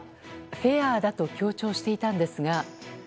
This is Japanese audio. フェアだと強調していたんですが。